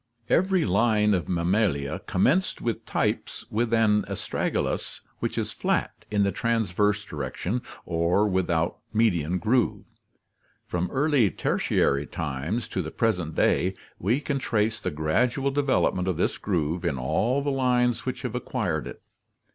... Every line of Mammalia commenced with types with an astragalus which is flat in the transverse direction, or without median groove. From early Tertiary times to the present day, we can trace the gradual development of this groove in all the lines which have acquired it.